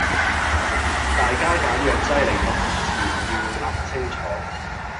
大家揀藥劑黎讀前要諗清楚